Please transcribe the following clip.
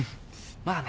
まあね。